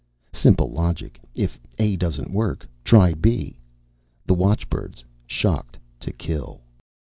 Simple logic. If A doesn't work, try B. The watchbirds shocked to kill.